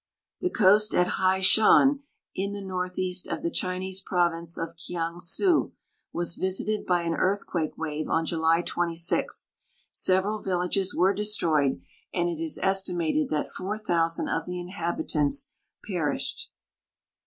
The coast at Hai chau, in the northeast of the Chinese province of Kiang su, was visited by an earthquake wave on July 26. Several vil lages were destroyed, and it is estimated that 4,000 of the inhabitants perished.